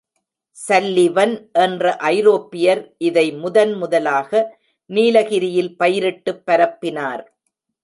Sullivan என்ற ஐரோப்பியர் இதை முதன் முதலாக நீலகிரியில் பயிரிட்டுப் பரப்பினார்.